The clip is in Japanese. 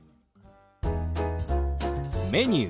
「メニュー」。